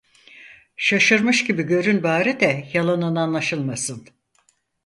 Şaşırmış gibi görün bari de yalanın anlaşılmasın!